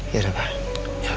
iya udah pak